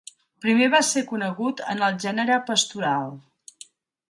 Primer va ser conegut en el gènere pastoral.